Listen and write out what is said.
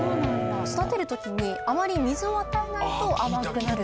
育てる時にあまり水を与えないと甘くなるという事です。